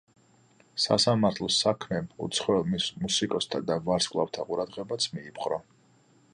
სასამართლო საქმემ უცხოელ მუსიკოსთა და ვარსკვლავთა ყურადღებაც მიიპყრო.